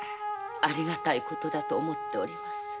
ありがたいことだと思っております。